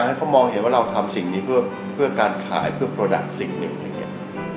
ให้เขามองเห็นว่าเราทำสิ่งนี้เพื่อการขายเพื่อโปรดักต์สิ่งหนึ่ง